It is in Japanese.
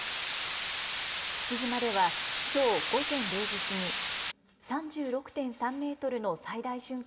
父島ではきょう午前０時過ぎ、３６．３メートルの最大瞬間